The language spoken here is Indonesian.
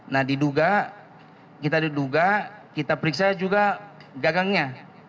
nah diduga kita diduga kita periksa juga gagangnya